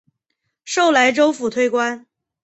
授莱州府推官。